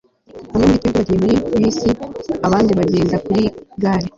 bamwe muri twe bagiye muri bisi, abandi bagenda ku igare